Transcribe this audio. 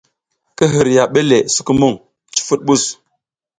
Ki hiriya ɓe le sukumuƞ, cufuɗ mɓus.